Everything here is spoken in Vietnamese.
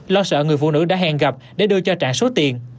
lo sợ người phụ nữ đã hẹn gặp để đưa cho trạng số tiền